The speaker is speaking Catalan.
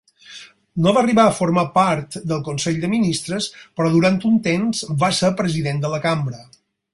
No va arribar a formar part del consell de ministres, però durant un temps va ser president de la cambra.